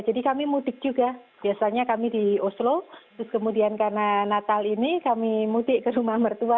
jadi kami mudik juga biasanya kami di oslo terus kemudian karena natal ini kami mudik ke rumah mertua